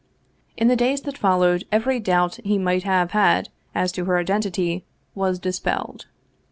In the days that followed, every doubt he might have had as to her identity was dispelled.